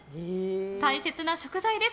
大切な食材です。